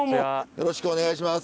よろしくお願いします。